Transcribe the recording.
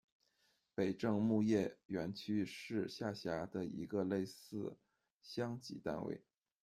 北正牧业园区是下辖的一个类似乡级单位。